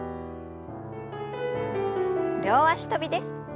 両脚跳びです。